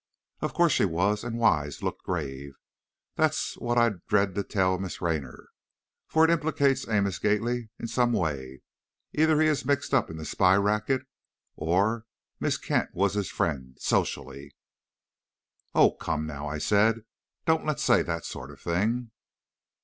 "Of course she was," and Wise looked grave. "That's what I dread to tell Miss Raynor. For it implicates Amos Gately in some way; either he is mixed up in the spy racket, or Miss Kent was his friend socially!" "Oh, come now," I said, "don't let's say that sort of thing."